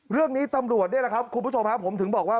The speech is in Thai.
เรื่องนี้ตำรวจนี่แหละครับคุณผู้ชมครับผมถึงบอกว่า